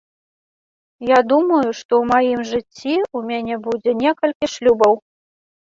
Я думаю, што ў маім жыцці ў мяне будзе некалькі шлюбаў.